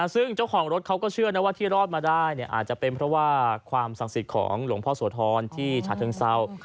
ซึ่งเจ้าของรถเขาก็เชื่อนะว่าที่รอดมาได้อาจจะเป็นเพราะว่าความศักดิ์สิทธิ์ของหลวงพ่อโสธรที่ฉาเชิงเศร้า